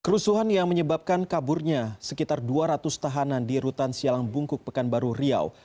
kerusuhan yang menyebabkan kaburnya sekitar dua ratus tahanan di rutan sialang bungkuk pekanbaru riau